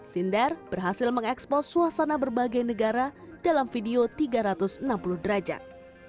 sinder berhasil mengekspos suasana berbagai negara dalam video tiga ratus enam puluh derajat